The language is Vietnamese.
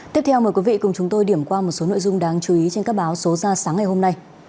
tiếp theo mời quý vị cùng chúng tôi điểm qua một số nội dung đáng chú ý trên các báo số ra sáng ngày hôm nay